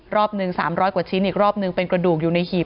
รอบหนึ่ง๓๐๐กว่าชิ้นอีกรอบนึงเป็นกระดูกอยู่ในหีบ